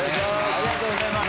ありがとうございます。